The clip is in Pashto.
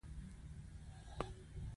خو د ښې حکومتولې لپاره یې